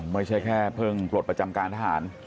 ไม่ใช่แค่เพิ่งปลดประจำการทหาร